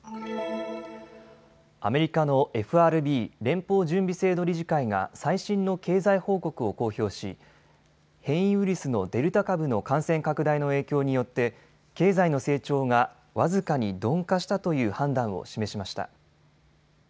アメリカのＦＲＢ・連邦準備制度理事会が最新の経済報告を公表し変異ウイルスのデルタ株の感染拡大の影響によって経済の成長が僅かに鈍化したという判断を示しました。